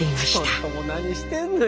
ちょっともう何してんのよ。